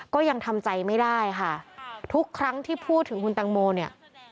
ก็ยังทำใจไม่ได้ค่ะทุกครั้งที่พูดถึงคุณตังโมเนี่ย